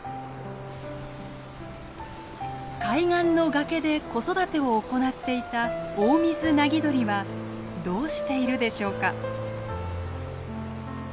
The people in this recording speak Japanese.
海岸の崖で子育てを行っていたオオミズナギドリはどうしているでしょうか。